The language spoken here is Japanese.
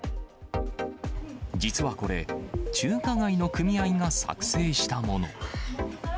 実はこれ、中華街の組合が作成したもの。